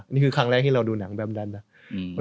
นี่คือครั้งแรกที่เราดูหนังแบบนั้นนะ